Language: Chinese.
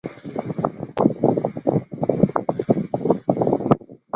有时黑喉响蜜䴕还会跟随一些哺乳动物和鸟类一同捕捉昆虫。